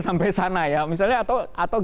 sampai sana ya misalnya atau